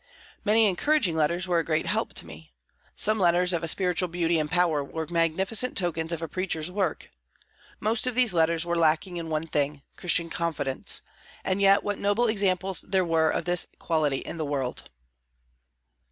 Many encouraging letters were a great help to me. Some letters of a spiritual beauty and power were magnificent tokens of a preacher's work. Most of these letters were lacking in one thing Christian confidence. And yet, what noble examples there were of this quality in the world.